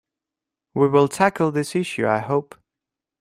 We will tackle this issue, I hope.